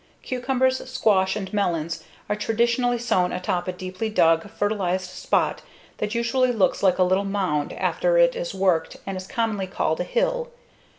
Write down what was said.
Cucumbers, squash, and melons are traditionally sown atop a deeply dug, fertilized spot that usually looks like a little mound after it is worked and is commonly called a hill.